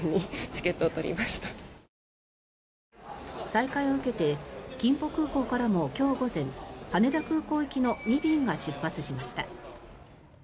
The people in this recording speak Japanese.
再開を受けて金浦空港からも今日午前羽田空港行きの２便が出発しました。